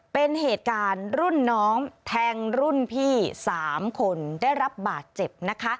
เป็นเหตุการณ์รุ่นน้องแทงรุ่นพี่๓คนได้รับบาดเจ็บนะคะ